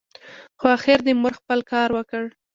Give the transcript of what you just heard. خو اخر دي مور خپل کار وکړ !